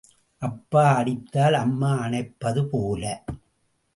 அப்பா அடித்தால் அம்மா அணைப்பது போல.